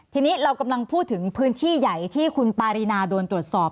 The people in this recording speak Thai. ทีนี้เรากำลังพูดถึงพื้นที่ใหญ่ที่คุณปารีนาโดนตรวจสอบ